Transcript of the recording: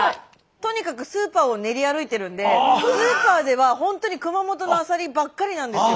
とにかくスーパーを練り歩いてるんでスーパーではほんとに熊本のアサリばっかりなんですよ。